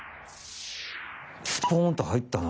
スポンとはいったな。